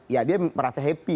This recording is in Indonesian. ya dia merasa happy